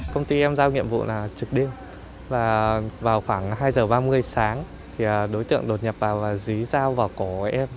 công ty em giao nhiệm vụ là trực đêm và vào khoảng hai giờ ba mươi sáng thì đối tượng đột nhập vào dí dao vào cổ em